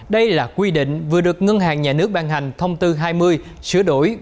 đây là quy định vừa được ngân hàng nhà nước ban hành thông tư hai mươi sửa đổi